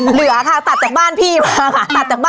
เหลือค่ะตัดจากบ้านพี่มาค่ะ